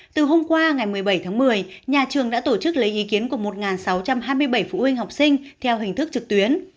từ hôm qua ngày một mươi bảy tháng một mươi nhà trường đã tổ chức lấy ý kiến của một sáu trăm hai mươi bảy phụ huynh học sinh theo hình thức trực tuyến